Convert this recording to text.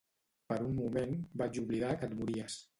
Per un moment, vaig oblidar que et mories.